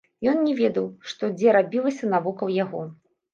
Ён не ведаў, што дзе рабілася навокал яго.